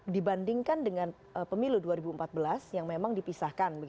dibandingkan dengan pemilu dua ribu empat belas yang memang dipisahkan